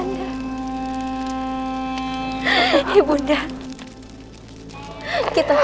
kita harus melakukan ini semua